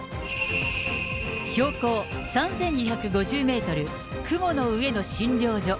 標高３２５０メートル、雲の上の診療所。